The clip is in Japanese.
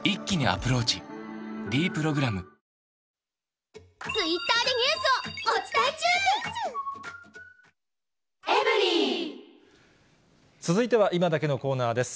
「ｄプログラム」続いてはいまダケッのコーナーです。